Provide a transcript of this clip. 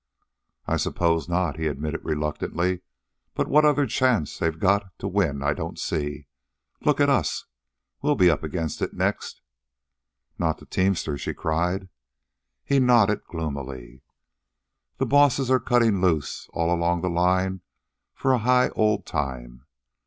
"I suppose not," he admitted reluctantly. "But what other chance they've got to win I don't see. Look at 'us. We'll be up against it next." "Not the teamsters?" she cried. He nodded gloomily. "The bosses are cuttin' loose all along the line for a high old time.